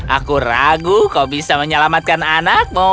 aku ragu kau bisa menyelamatkan anakmu